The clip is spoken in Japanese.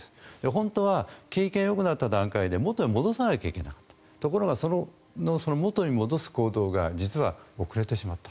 本当は景気がよくなった段階で元に戻さなきゃいけなかったところが、元に戻す行動が実は遅れてしまった。